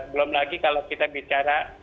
belum lagi kalau kita bicara